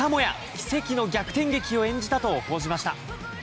奇跡の逆転劇を演じたと報じました。